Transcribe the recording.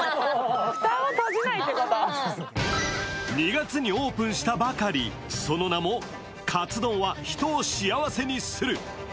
２月にオープンしたばかり、その名も＃カツ丼は人を幸せにする。